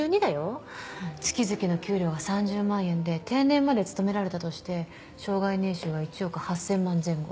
月々の給料が３０万円で定年まで勤められたとして生涯年収が１億８，０００万円前後。